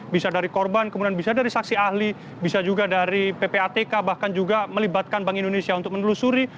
bisa dari korban kemudian bisa dari saksi ahli bisa juga dari ppatk bahkan juga melibatkan bank indonesia untuk menelusuri